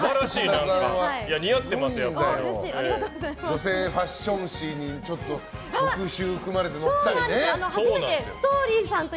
女性ファッション誌に特集組まれてね。